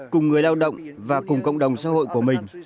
cùng người lao động và cùng cộng đồng xã hội của mình